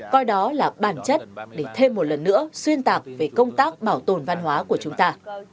coi đó là bản chất để thêm một lần nữa xuyên tạc về công tác bảo tồn văn hóa của chúng ta